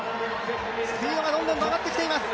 スピードがどんどん上がってきています。